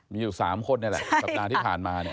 มีอยู่๓คนครับสัปดาห์ที่ผ่านมา